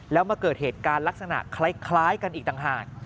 แล้วมาเกิดเหตุการณ์ลักษณะคล้ายกันอีกต่างหาก